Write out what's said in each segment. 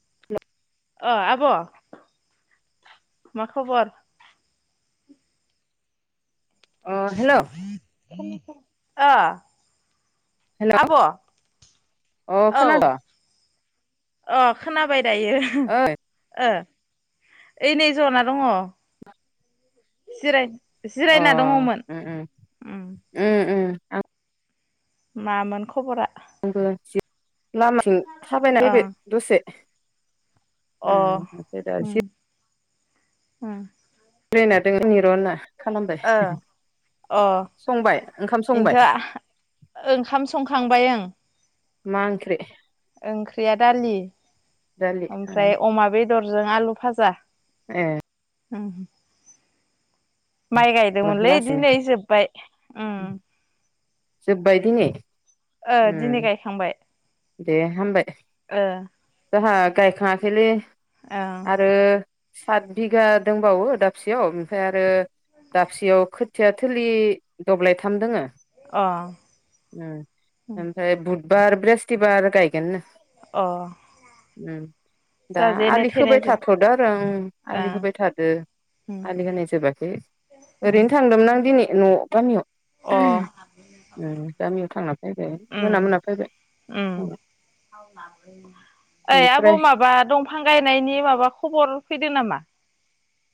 [unintelligible] अ आब' मा खबर? अ हेल' ओ हेल' आब' अ औ खोनाद' अ खोनाबाय दायो ओइ ओ ओइ नै जना दङ जिराय अ जिरायना दङमोन। उम उम उम उम उम आं मामोन खबरा? आंबो जि लामाथि थाबायना फैबाय ओं दसे उम अ ओमफ्राय दा होम एसे उम [unintelligible] दोङोनि र होनना ओ खालामबाय अ संबाय ओंखाम संबाय इनोथ' ओंखाम संखांबाय ओं मा ओंख्रै? ओंख्रिया दालि दालि ओं ओमफ्राय अमा बेदरजों आलु फाजा ए ओम माइ गायदोंमोनलै लासैनो दिनै जोबबाय उम जोब्बाय दिनि ओ दिनै गायखांबाय ए हामबाय ओ जोंहा गायखाङाखैलै ओं आरो सात बिगा दंबावो दाबसेयाव ओमफ्राय आरो दाबसेयाव खो थिया थोलि दब्लायथाम दोङो अ उम उम ओमफ्राय बुध बार बृहस्पतिबार गायगोन नो अ उम दा जाजेनो आलि थेनो खोबाय जोब्बाय थाथ'दो आरो उम आलि ओं होबाय थादो उम आलि होनाय जोबाखै उम ओरैनो थांदोंमोन आं दिनै न' अ गामियाव उम गामियाव थांना फैबाय उम मोना मोना फैबाय उम अ ओइ आब' बेनिफ्राय माबा दंफ फां गायनायनि माबा खबर फैदों नामा?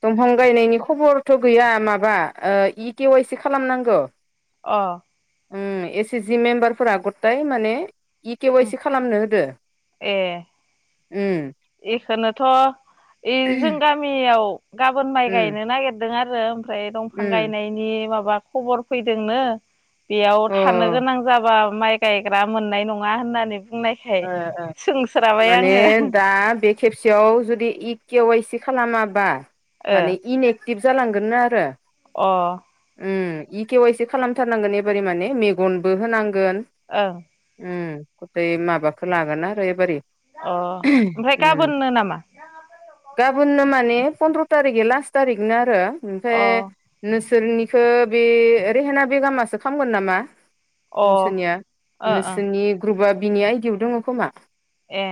दंफां गायनायनि खबरथ' गैया माबा ओ इ के वाइ सि खालामनांगो अ उम एस सि जि मेम्बारफोरा गताय माने इकेवाइसि खालामनो होदो ए उम इखोनोथ' इ जों गामियाव गाबोन माइ उम गायनो नागिरदों आरो ओमफ्राय दंफां उम गायनायनि माबा खबर फैदोंनो बेयाव अ ओ थानो गोनां जाबा माइ गायग्रा मोननाय नङा होननानै बुंनायखाय ओ ओ सोंस्राबाय माने आङो दा बेख खेबसेयाव जुदि इकेेवाइसि खालामाबा माने इनएक्टिभ जालांगोन नो आरो ओ अ उम इकेवाइसि खालामथारनांगोन एबारे माने मेगनबो होनांगोन। ओ उम गतै माबाखो लागोन आरो एबारै अ ओमफाय उम गाबोननो नामा? गाबोननो माने पन्द्र' थारिगै लास्ट थारिखनो आरो अ ओमफ्राय नोंसोरनिखो बे रेहेना बेगामासो खामगोन नामा? ओ नोंसोरनिया ओ नोंसोरनि ग्रुपआ बिनि आयदियाव दंङो खोमा ए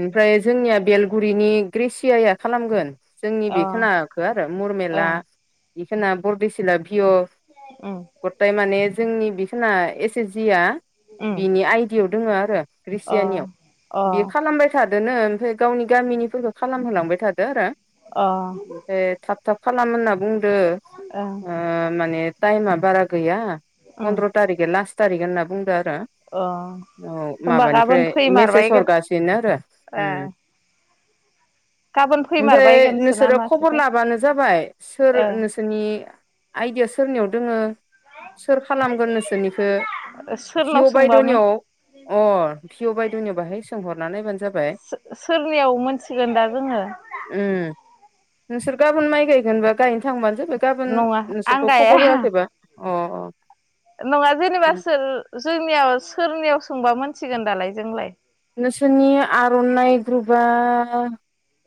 ओमफ्राय जोंनिया बेलगुरिनि ग्रेसिया या खालामगोन जोंनि अ बेखोनाखो आरो मुरमेला ओं बेखोना बरदेसिला भिय' अ गताय माने जोंनि बिखोना एस एस जि आ उम बिनि आइडिआव दोङो आरो अ रिसियानियाव अ बियो खालामबाय थादोनो ओमफ्राय गावनि गामिनिफोरखौ खालामहोलांबाय थादो आरो अं ओमफ्राय थाब थाब खालाम होनना बुंदो ओं ओ माने टाइमा बारा गैया। उम पन्द्र' थारिगै लास्ट थारिग होनना बुंदों आरो अ औ होनबा माबानिफ्राय गाबोन मेसेज फैमारबायगोन हरगासिनो आरो ए उम गाबोन ओमफ्राय फैमारबायगोनसो ना नोंसोरो खबर मासोथाय लाबानो जाबाय सोर ओ नोंस सोरनि आइदिया सोरनियाव दोङो सोर खालामगोन नोंसोरनिखो सोरनाव भिअ सोंबामोन बायद'नियाव अ भिअ बायद'नियाव बाहाय सोंहरना नायबानो जाबाय। सो सोरनियाव मोनथिगोन दा जोङो उम नोंसोर गाबोन माइ गायगोनबा गायनो थांबानो जाबाय। गाबोन नङा आं नोंसोरखौ गाया खबर होआखैबा अ अ नङा जेनेबा सोर जोंनियाव सोरनियाव सोंबा मोनथिगोन दालाय जोंलाय। नोंसोरनि आर'नाइ ग्रुपआ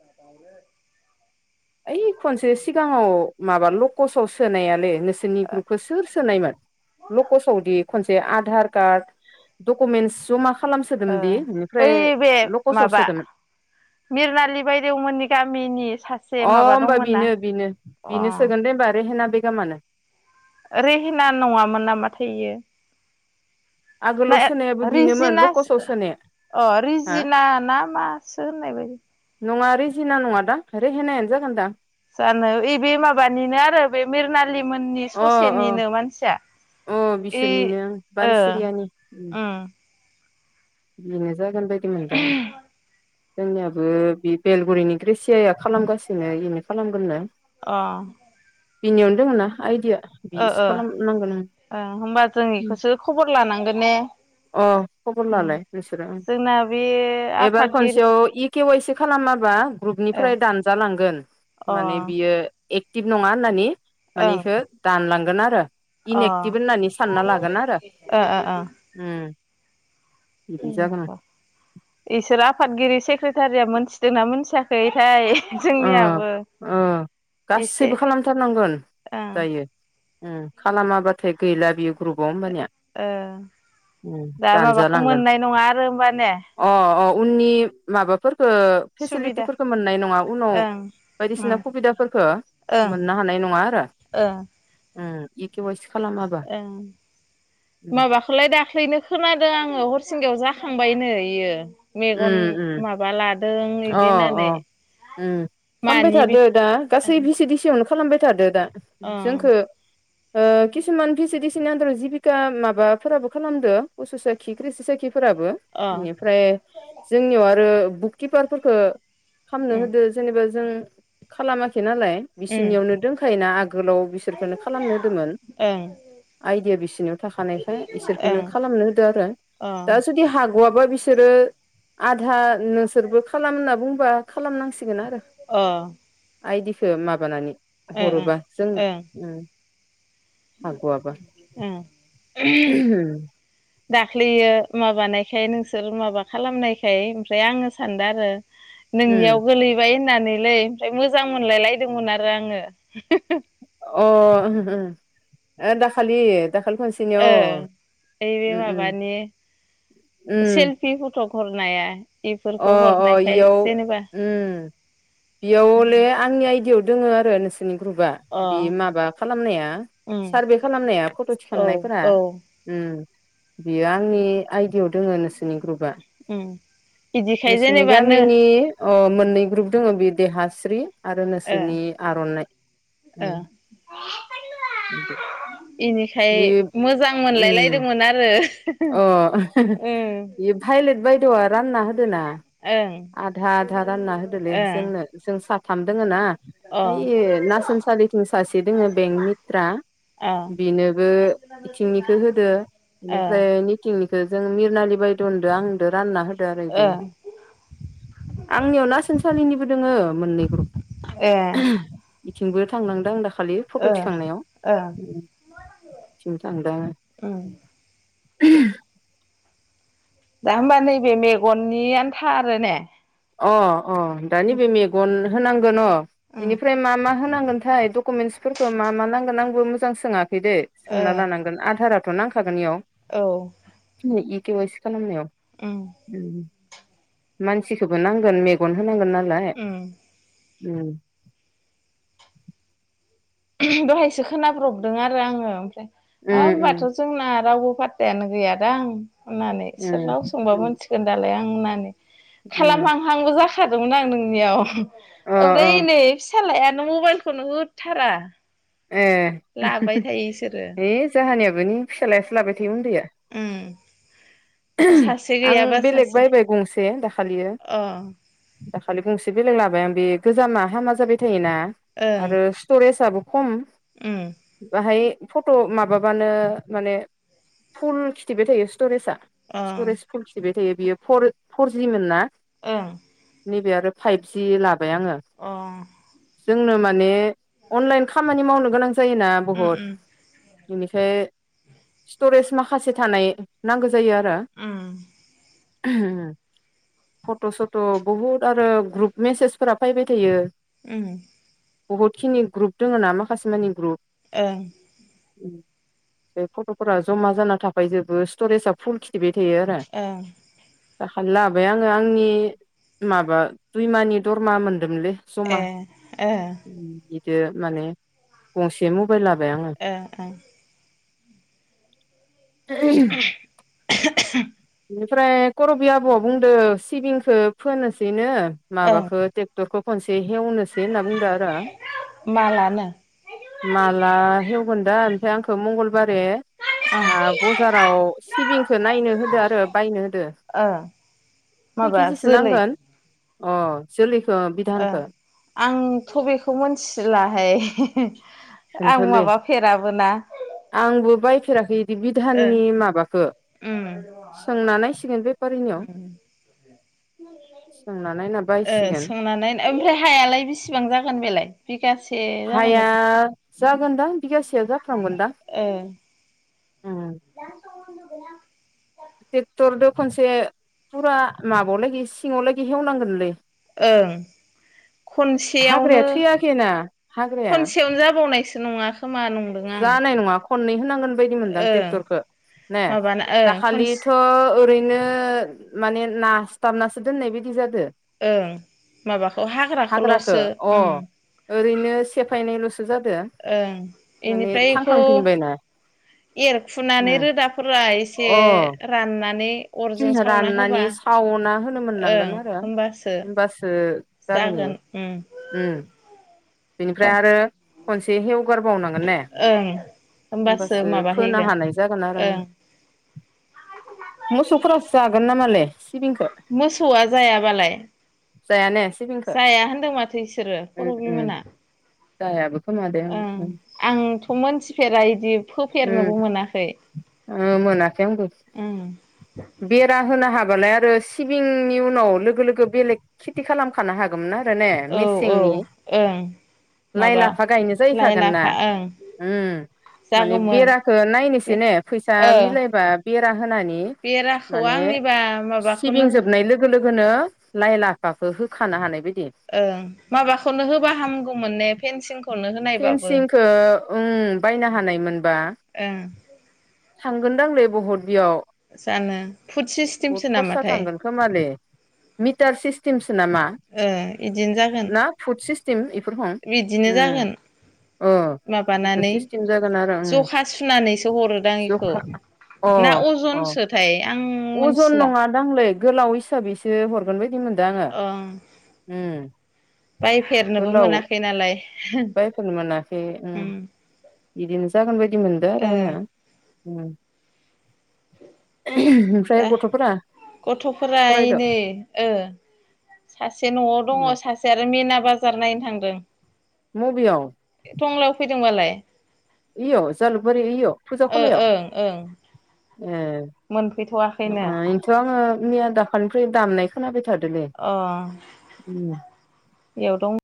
[inaudible] ओइ खनसे सिगाङाव माबा लकसाव सोनायालै नोंसोरनि ग्रुपखो सोर सोनायमोन लकसावदि खनसे आधार कार्ड डकुमेन्टस जमा ओ खालामसोदोंमोन दि बेनिफ्राय ओइ बे लकसाव माबा सोदोमोन। मिरनालि बायदेवमोननि गामिनि सा अ होमबा बिनो बिनो बिनो सोगोन दे होमबा रेहेना बेगमानो रेहेना नङामोन नामाथाय इयो। आगोलाव सोनायाबो [unintelligible] बेनोमोन रिजिनास लकसआव सोनाया अ हा रिजिना ना मासो होननाय बायदि नङा रिजिना नङा दां रेहेनायानो जागोनदां। जानो ओयबे माबानिनो आरो बे मिरनालि मोननि अ अ ससेनिनो मानसिया। अ इ बिसोरनिनो ओं ओ बानसिरियानि। उम बिनो जागोन बायदि मोनदो आं। जोंनियाबो बे बेलगुरिनि क्रिसियाआ खालामगासिनो इनो खालामगोननो। अ बिनियावनो दङोना आइदिआ। ओ ओ ओ होमबा जों आं इखोसो खबर लानांगोन ने। अ खबर उम लालाय नोंसोरो ओं जोंना बे एबार आफादगिरि खनसेयाव इकेवाइसि खालामाबा ग्रुपनिफ्राय दानजालांगोन। ओ अ माने ओं बियो एक्टिभ नङा होननानै माने इखो दानलांगोन आरो। अ इन एक्टिभ ओ होननानै सानना लागोन आरो। बिदि जागोन इसोर आफादगिरि सेक्रेटारिया मोनथिदोंना मोनथियाखैथाय। ओ जोंनियाबो ओ एसे गासैबो खालामथारनांगोन ओं दायो। खालामाबाथाय गैला बियो ग्रुपआव होमबानिया। ओ उम दा माबाखौ दानजालांगोन मोननाय नङा आरो होमबा ने। अ अ उननि माबाफोरखो सुबिदा फेसिलिटिफोरखो मोननाय नङा। [unintelligible] ओं बायदिसिना ओं खुबिदाफोरखो ओं मोननो हानाय नङा आरो। ओं उ [unintelligible] केवाइसि खालाम ओं माबा खौलाय दाख्लैनो खोनादों आङो हरसिंगायाव जाखांबायनो इयो। मेगन उम उम माबा लादों अ इदि अ होननानै उम खामबाय मानि बे थादो दा गासै भिसि डिसियावनो खालामबाय थादो दा ओं जोंखो ओ किसुमान भिसि डिसि नि आन्दाराव जिबिका माबाफोराबो खालामदो उसु साखि क्रिसि साखिफोराबो अ इनिफ्राय जोंनियाव आरो बुककिपार फोरखो खामनो उम होदो जेनेबा जों खालामाखै नालाय उम बिसोरनियावनो दोंखायोना आगोलाव बि इसोरखोनो खालामनो होदोंमोन ए आइदिया बिसिनियाव थाखानायखाय ओं अ इसोरखौनो खालामनो होदो आरो दा जुदि हाग'वाबा बिस सोरो आधा नोंसोरबो खालाम होनना बुंबा खालामनांसिगोन आरो अ आइदिखो माबानानै ओं हरोबा जोंनो ओम। उम उम दाख्लियो माबानायखाय नोंसोर माबा खालामनायखाय ओमफ्राय आङो सानदो आरो नोंनियाव गोलैबाय होननानैलै ओमफ्राय मोजां मोनलायलायदोंमोन आरो आङो। अ [unintelligible] ओम ओ दाखालि दाखालि खनसे ओ ओइ बे माबानि उम सेलफि फ'थग हरनाया अ इफोरखौ अ हरनायखाय इयाव जेनेबा उम इयाव हले अ आंनि आइडियाव दोङो आरो नोंसोरनि ग्रुपआ। बे माबा खालामनाया उम सारभे खालामनाया फट' औ थिखांनायफोरा औ ओम बियो आंनि आइदियाव दोङो नोंसोरनि ग्रुपआ। ओम। नोंसिनि गामिनि अ मोननै ग्रुप दोङो बे देहास्रि आरो ओ नोंसोरनि आर'नाइ। ओ इनिखाय बे मोजां उम मोनलायलायदोंमोन आरो ओम। फाइलेट बायदेवआ रानना होदोना ओं आधा आधा रानना होदोलै जोंनो। जों साथाम दोङो ना ओइ ओं नासनसालिथिं सासे दोङो बेंकनि रा अ अ बिनोबो इथिंनिखो होदो ओ इनिफ्राय नै थिंनिखो जों मिरनालि बायदेवनोदो आंनोदो रानना होदो आरो इदिनो। आंनियाव नासनसालिनिबो दोङो मोननै ग्रुप। ए इथिंबो थांनांदों दाखालि फट' ओ थि खांनायाव ओ उम इथिंबो थांदों आङो। उम दा होनबा नैबे मेगननि आन्था आरो ने? अ अ दा नैबे मेगन होनांगोन अ ओ बेनिफ्राय मा मा होनांगोनथाय दक'मेन्सफोरखौ मा मा नांगोन आंबो मोजां सोङाखै दे सोंना लानांगोन आधारा थ' नांखागोन इयाव। औ खिनि इ के अवाइ सि खालामनायाव उम उम मानसि सिखौबो नांगोन मेगन होनांगोन नालाय उम उम। दहायसो खोनाब्रबदों आरो आङो ओमफ्राय हाब होनबाथ' उम जोंना रावबो फाथ्थायानो गैयादां होननानै उम सोरनाव सोंबा उम मिथि गोन दालाय आं होननानै उम खालामहां हांबो जाखादोंमोन आं नोंनियाव। अ अ ओमफ्राय नै फिसालायानो मबाइलखौनो होथारा। ए लाबाय थायो इसोरो है जाहानियाबो नै फिसालायासो लाबाय थायो उन्दैया। उम सासे आं गैयाबा बेलेग सासे बायबाय गंसे दाखालियो। अ दाखालि गंसे बेलेग लाबाय आं बे गोजामा हामा जाबाय थायोना ओं आरो स्टरेसआबो खम। उम बाहाय फट' माबाबानो माने फुल खिथिबाय थायो स्टरेजआ। ओं स्टरेज फुल खिथिबाय थायो बियो फर-फरजि मोन ना। ओं नैबे आरो फाइभजि लाबाय आङो अ जोंनो माने अनलाइन खामानि मावनो गोनां जायोना उम बहुद उम बेनिफ्राय स्टरेज माखासे थानाय नांगौ जायो आरो [inaudible] उम फट' सथ' बहुद आरो ग्रुप मेसेजफोरा फैबाय थायो उम बहुतखिनि ग्रुप दंङोना माखासेमानि ग्रुप ए [inaudible] बे फट'फोरा जमा जाना थाफै जोबो स्टरेजआ फुल खिथिबाय थायो आरो ए दाखालि लाबाय आङो आंनि माबा दुइमानि दरमाहा मोनदोंमोनलै जमा ए ओ बे माने गंसे मबाइल लाबाय आङो ओ ओं [inaudible] [inaudible] बेनिफ्राय खर'बि आब'आ बुंदों सिबिंखौ फोनोसैनो ओं माबाखौ टेक्टरखौ खनसे हेवनोसै होनना बुंदों आरो आंङो मालानो माला हेवगोन दा ओमफ्राय आंखौ मंगलबारे ओं आं बजाराव सिबिंखौ नायनो होदों आरो बायनो होदों ओ खय माबा केजिसो जोलै नांगोन अ जोलैखौ ओं बिधानखौ आंथ' बेखौ मिथिलाहाय आं खोन्थ'लै माबाफेराबोना आंबो बायफेराखै बि ओ बिधाननि माबाखौ उम सोंना नायसिगोन बेफारिनियाव उम सोंना नायना ओ बायसिगोन सोंनानै ओमफ्राय हायालाय बेसेबां जागोन बेलाय बिगासे जागोन हाया ना जागोनदां बिगासेया जागोन ए ट्रेक्टरजों खनसे फुरा माबायाव लागि सिङाव लागि हेवनांगोनलै ओं हाग्राया खनसेयावनो थैयाखैना हाग्राया खनसेयावनो जाबावनायसो नङा खोमा नं जानाय नङा खननै होनांगोन बायदि मोनदों आं ओं ट्रेक्टरखौ ने माबाना ओं खनसे दाखालिथ' ओरैनो माने नासथाबनासो दोननाय बायदि जादों ओं माबाखौ हाग्राखौ लसो उम ओरैनो सेफायनायल'सो जादों ओं बेनिफ्रायथ एरखुनानै रोदाफोरा एसे राननानै अरजों खिनिखो सावना राननानै होबा सावना होनो मोननांगोन आरो होमबासो जागोन इयो उम बिनिफ्राय आरो खनसे हेवगारबावनांगोन ने ओं होमबासो फोनो हानाय जागोन आरो ओं मोसौफोरासो जागोन नामालोय मोसौआ जायाबालाय। जाया नो सिबिं जाया होनदों माथो बिसोरो करबिमोना। जायाबो खोमा दे ओं उम आंथ' मोनथिफेरा बिदि उम फोफेरनोबो मोनाखै। ओ मोनाखै आंबो। ओं बेरा होनो हाबालाय आरो सिबिंनि उनाव लोगो लोगो बेलेग खेथि खालाम खानो हागौमोन आरो ने औ औ मेसेंनि। ओं। लाइ माबा लाफा गायनो लाइ जाहैखागोन ना। लाफा ओं उम माने जागौमोन बेरााखो नायनोसै बे ने फैसा ओ मिलायबा बेरा होनानै बेराखौ माने आंनिबा माबाखौनो सिबिं जोबनाय लोगो लोगो लोगोनो लाइ लाफाखौ होखानो हानाय बायदि ओं माबाखौनो होबा हामगौमोन ने फेनसिंखौ। फेनसिंखौ उ बायनो हानायमोनबा। ओं थांगोनदांलै बहत बियाव जानो फुड सिस्टेमसो नामाथाय। खोमाले मिटार सिस्टेमसो नामा? ओ इदिनो जागोन ना फुद सिस्टेम बेफोर हम बिदिनो उम जागोन ओ बेफोर माबानानै सिस्टेम जागोन आरो उम जखा सुनानैसो हरोदां बेखौ। जखा अ ना अजनसोथाय आं मोनथिला। नांलै गोलाव हिसाबैसो हरगोन बायदि मोनदों आङो। ओं उ बायफेरनोबो मोनाखै नालाय। बायफेरनो मोनाखै उम बिदिनो जागोन बायदि मोनदो आरो ओ आङो। ओमफ्राय दा गथ'फोरा गथ'फोरा फरायद' एनै ओ। सासे न'आव दङ उम सासे आरो मिना बाजार नायनो थांदों। मुबियाव? टंलायाव फैदोंबालाय। इययाव जालुकबारि इययाव फुजा ओ खलायाव, ओं ओं ए मोनफैथ'वाखैनो। ओनथ' आङो मैया दाखालिनिफ्राय दामनाय खोनाबाय थादोलोय। अ बेयाव दं।